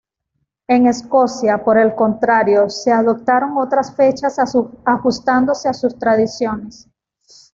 En Escocia, por el contrario, se adoptaron otras fechas ajustándose a sus tradiciones.